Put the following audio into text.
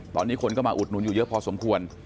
ตอนนี้คนก็มาอุดหนุนอยู่เยอะพอสมควร